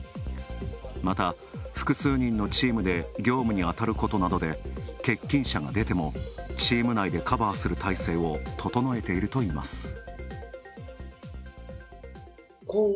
また複数人のチームで業務にあたることなどで、欠勤者が出てもチーム内で対応する体制を整えているとしています。